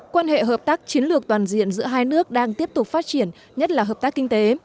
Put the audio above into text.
quan hệ hợp tác chiến lược toàn diện giữa hai nước đang tiếp tục phát triển nhất là hợp tác kinh tế